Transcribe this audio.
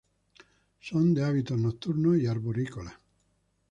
Son de hábitos nocturnos y arborícolas.